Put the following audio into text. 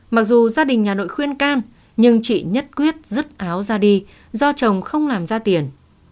mặc dù gia đình nhà nội khuyên can nhưng chị nhất quyết rứt áo ra đi do chồng không làm ra tiền